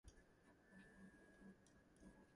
Many of his younger rivals boasted that he was finished.